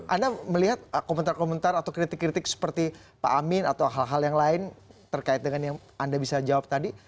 anda melihat komentar komentar atau kritik kritik seperti pak amin atau hal hal yang lain terkait dengan yang anda bisa jawab tadi